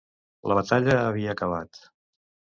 La batalla havia acabat.